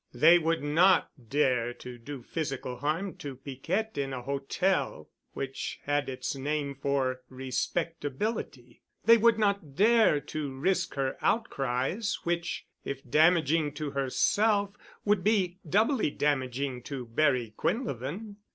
They would not dare to do physical harm to Piquette in a hotel, which had its name for respectability. They would not dare to risk her outcries, which, if damaging to herself, would be doubly damaging to Barry Quinlevin.